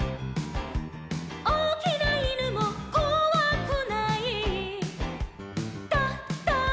「おおきないぬもこわくない」「ドド」